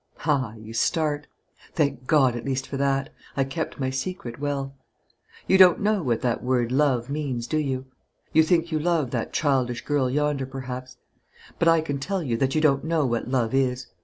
Ah! you start. Thank God at least for that. I kept my secret well. You don't know what that word 'love' means, do you? You think you love that childish girl yonder, perhaps; but I can tell you that you don't know what love is.